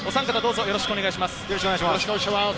よろしくお願いします。